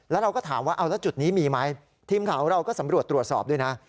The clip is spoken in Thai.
แล้วเราก็ถามว่าเอาแล้วจุดนี้มีไหมทีมข่าวของเราก็สำรวจตรวจสอบด้วยนะ